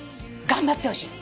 頑張ってほしい。